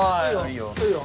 いいよ。